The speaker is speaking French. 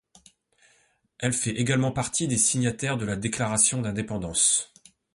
Elle fait également partie des signataires de la déclaration d'indépendance.